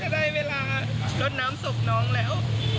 ก็จะได้เวลารสน้ำศพน้องแล้ว